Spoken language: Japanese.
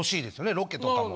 ロケとかも。